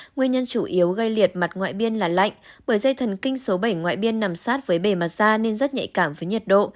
nguyên nhân chủ yếu gây liệt mặt ngoại biên là lạnh bởi dây thần kinh số bảy ngoại biên nằm sát với bề mặt da nên rất nhạy cảm với nhiệt độ